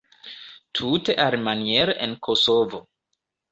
Tute alimaniere en Kosovo.